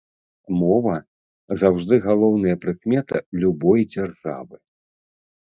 Мова заўжды галоўная прыкмета любой дзяржавы.